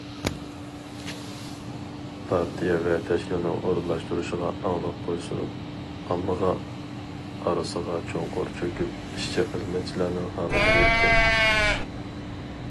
پارتىيە ۋە تەشكىلنىڭ ئورۇنلاشتۇرۇشىغا ئاڭلىق بويسۇنۇپ، ئاممىغا ئارىسىغا چوڭقۇر چۆكۈپ، ئىشچى- خىزمەتچىلەرنىڭ ھالىغا يەتكەن.